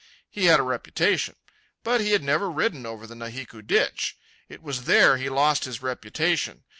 He had a reputation. But he had never ridden over the Nahiku Ditch. It was there he lost his reputation.